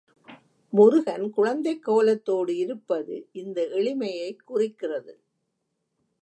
முருகன் குழந்தைக் கோலத்தோடு இருப்பது இந்த எளிமையைக் குறிக்கிறது.